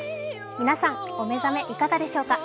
皆さん、お目覚めいかがでしょうか。